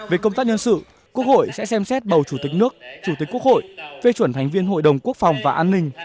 về công tác nhân sự quốc hội sẽ xem xét bầu chủ tịch nước chủ tịch quốc hội phê chuẩn thành viên hội đồng quốc phòng và an ninh